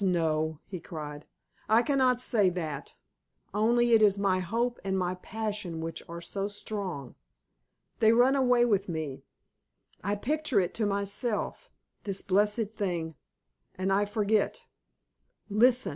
no," he cried, "I cannot say that; only it is my hope and my passion which are so strong. They run away with me; I picture it to myself this blessed thing and I forget. Listen!"